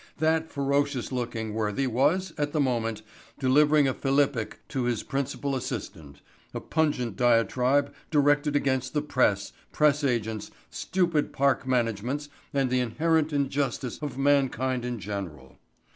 That ferocious looking worthy was, at the moment, delivering a philippic to his principal assistant, a pungent diatribe directed against the press, press agents, stupid park managements and the inherent injustice of mankind in general.